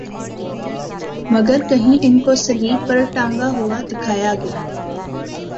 مگر کہیں انکو صلیب پر ٹنگا ہوا دکھایا گیا